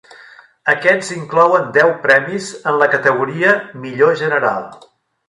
Aquests inclouen deu premis en la categoria "Millor general".